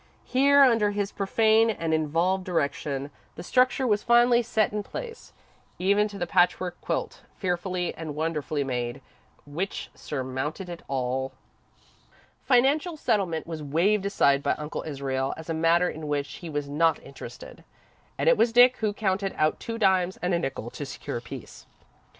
Here, under his profane and involved direction, the structure was finally set in place, even to the patchwork quilt, fearfully and wonderfully made, which surmounted it all. Financial settlement was waved aside by Uncle Israel as a matter in which he was not interested, and it was Dick who counted out two dimes and a nickel to secure peace.